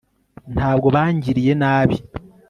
ntabwo bangiriye nabi